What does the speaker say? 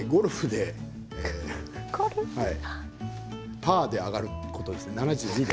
７２で上がることです。